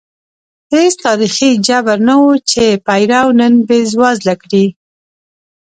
هېڅ تاریخي جبر نه و چې پیرو نن بېوزله کړي.